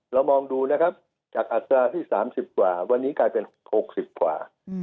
เรามองดูนะครับจากอัตราที่๓๐กว่าวันนี้กลายเป็น๖๐กว่า